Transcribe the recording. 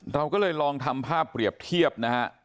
เราก็เลยลองทำภาพเปรียบเทียบนะฮะ